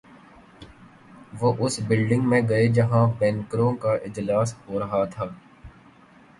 وہ اس بلڈنگ میں گئے جہاں بینکروں کا اجلاس ہو رہا تھا۔